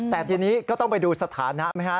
แต่ทีนี้ก็ต้องไปดูสถานะไหมฮะ